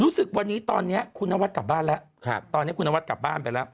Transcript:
รู้สึกวันนี้ตอนนี้คุณนวัดกลับบ้านแล้วตอนนี้คุณนวัดกลับบ้านไปแล้ว